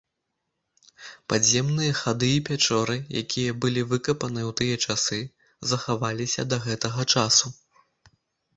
Падземныя хады і пячоры, якія былі выкапаныя ў тыя часы, захаваліся да гэтага часу.